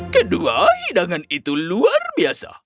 kedua hidangan itu luar biasa